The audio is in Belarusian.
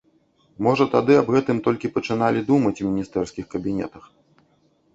Можа тады аб гэтым толькі пачыналі думаць у міністэрскіх кабінетах.